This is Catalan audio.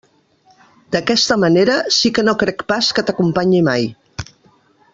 D'aquesta manera, sí que no crec pas que t'acompanyi mai.